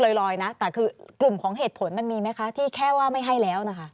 ลอยนะแต่คือกลุ่มของเหตุผลมันมีไหมคะที่แค่ว่าไม่ให้แล้วนะคะ